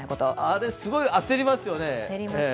あれ、すごい焦りますよね。